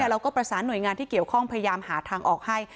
เราก็ประสานหน่วยงานที่เกี่ยวข้องพยายามหาทางออกให้